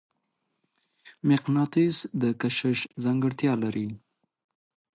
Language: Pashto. مقناطیس د کشش ځانګړتیا لري.